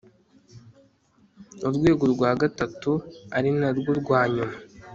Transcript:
urwego rwa gatatu ari na rwo rwa nyuma